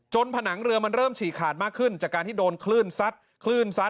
ผนังเรือมันเริ่มฉี่ขาดมากขึ้นจากการที่โดนคลื่นซัดคลื่นซัด